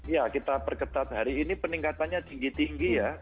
ya kita perketat hari ini peningkatannya tinggi tinggi ya